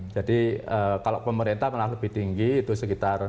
jadi kalau pemerintah memang lebih tinggi itu sekitar sembilan lima miliar dolar